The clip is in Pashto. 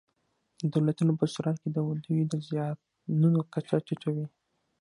د دولتونو په صورت کې د دوی د زیانونو کچه ټیټه وي.